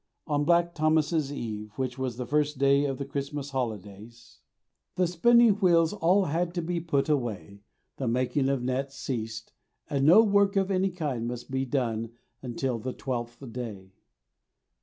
On Black Thomas's Eve, which was the first day of the Christmas holidays, the spinning wheels all had to be put away, the making of nets ceased, and no work of any kind must be done until after Twelfth Day.